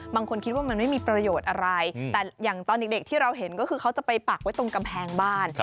บางคนคิดว่ามันไม่มีประโยชน์อะไรแต่อย่างตอนเด็กที่เราเห็นก็คือเขาจะไปปักไว้ตรงกำแพงบ้าน